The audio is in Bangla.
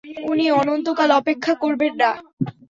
উনি অনন্তকাল অপেক্ষা করবেন না!